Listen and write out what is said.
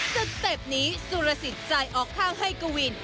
สเต็ปนี้สุรสิทธิ์จ่ายออกข้างให้กวิน